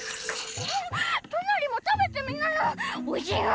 トナリも食べてみなよ！